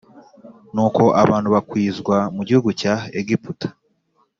Nuko abantu bakwizwa mu gihugu cya Egiputa